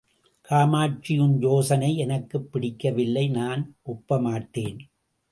காமாட்சி உன் யோசனை எனக்குப் பிடிக்கவில்லை நான் ஒப்ப மாட்டேன்.